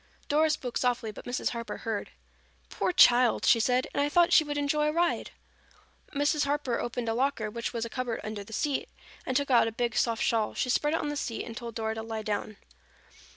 Dora spoke softly but Mrs. Harper heard. "Poor child!" she said. "And I thought she would enjoy a ride." Mrs. Harper opened a locker, which was a cupboard under the seat, and took out a big soft shawl. She spread it on the seat and told Dora to lie down.